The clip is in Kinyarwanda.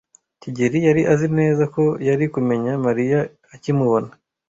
kigeli yari azi neza ko yari kumenya Mariya akimubona.